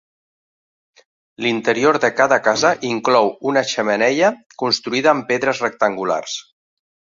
L'interior de cada casa inclou una xemeneia construïda amb pedres rectangulars.